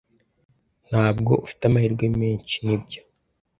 Ntabwo ufite amahirwe menshi, nibyo?